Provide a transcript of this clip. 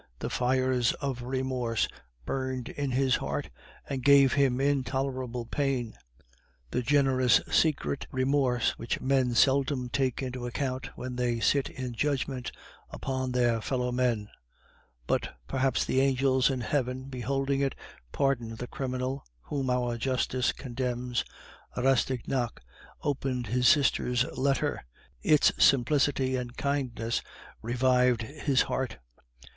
The fires of remorse burned in his heart, and gave him intolerable pain, the generous secret remorse which men seldom take into account when they sit in judgment upon their fellow men; but perhaps the angels in heaven, beholding it, pardon the criminal whom our justice condemns. Rastignac opened his sister's letter; its simplicity and kindness revived his heart.